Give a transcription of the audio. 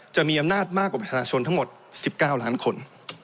จะมีอำนาจมากกว่าประชาชนทั้งหมด๑๙ล้านคน